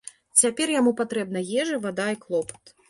Цяпер яму патрэбна ежа, вада і клопат.